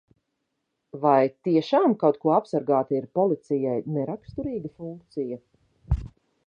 Vai tiešām kaut ko apsargāt ir policijai neraksturīga funkcija?